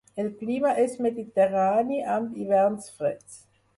El clima és mediterrani amb hiverns freds.